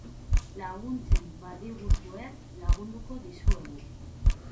Laguntzen badiguzue lagunduko dizuegu.